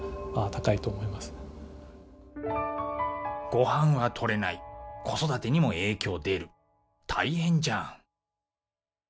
ごはんは取れない子育てにも影響出る大変じゃん。